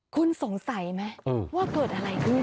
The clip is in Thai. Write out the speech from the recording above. คุณสงสัยไหมว่าเกิดอะไรขึ้น